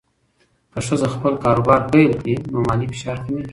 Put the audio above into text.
که ښځه خپل کاروبار پیل کړي، نو مالي فشار کمېږي.